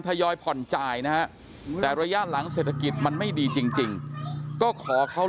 ทยอยผ่อนจ่ายนะฮะแต่ระยะหลังเศรษฐกิจมันไม่ดีจริงก็ขอเขา